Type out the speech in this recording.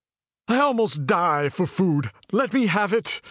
"I almost die for food; let me have it!"